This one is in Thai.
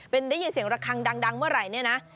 เป็นได้ยินเสียงระคังดังเมื่อไหร่เนี่ยนะ